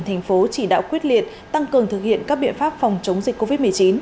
thành phố chỉ đạo quyết liệt tăng cường thực hiện các biện pháp phòng chống dịch covid một mươi chín